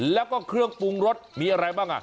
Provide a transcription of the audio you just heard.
แล้วก็เครื่องปรุงรสมีอะไรบ้างอ่ะ